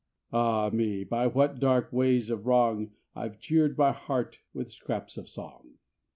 Ah me! by what dark ways of wrong I've cheered my heart with scraps of song.